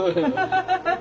ハハハハ。